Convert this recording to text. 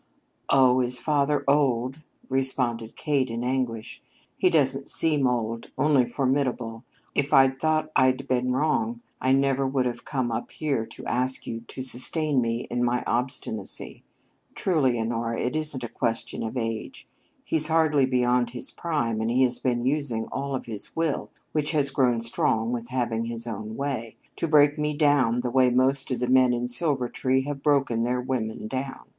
"Oh, is father old?" responded Kate in anguish. "He doesn't seem old only formidable. If I'd thought I'd been wrong I never would have come up here to ask you to sustain me in my obstinacy. Truly, Honora, it isn't a question of age. He's hardly beyond his prime, and he has been using all of his will, which has grown strong with having his own way, to break me down the way most of the men in Silvertree have broken their women down.